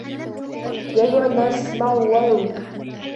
يا أيها الناس اسمعوا وعوا